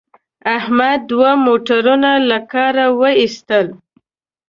احمد دوه موټرونه له کاره و ایستل.